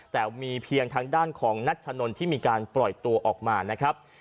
แต่มีเพียงทางด้านของนัชนนที่มีการปล่อยตัวออกมานะครับ